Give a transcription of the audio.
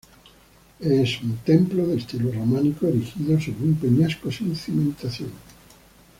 Es un templo de estilo románico, erigido sobre un peñasco, sin cimentación.